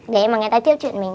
để mà người ta tiếp chuyện mình